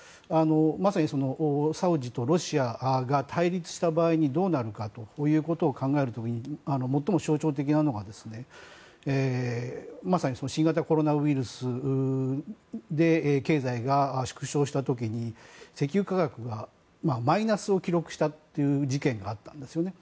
まさにサウジとロシアが対立した場合にどうなるかということを考える時に最も象徴的なのがまさに新型コロナウイルスで経済が縮小した時に石油価格がマイナスを記録したという事件があったんですよね。